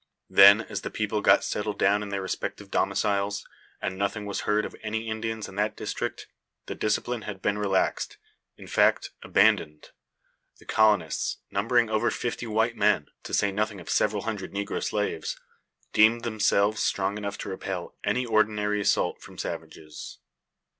Then, as the people got settled down in their respective domiciles, and nothing was heard of any Indians in that district, the discipline had been relaxed in fact, abandoned. The colonists, numbering over fifty white men to say nothing of several hundred negro slaves deemed themselves strong enough to repel any ordinary assault from savages.